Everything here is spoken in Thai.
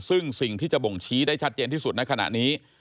ซึ่งสิ่งที่จะบ่งชี้ได้ชัดเจนที่สุดในขณะนี้